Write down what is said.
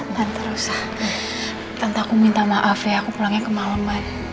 tante rossa tante aku minta maaf ya aku pulangnya kemaleman